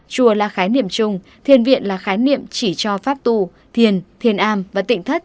chùa là khái niệm chung thiền viện là khái niệm chỉ cho pháp tù thiền thiền a và tỉnh thất